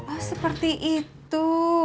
oh seperti itu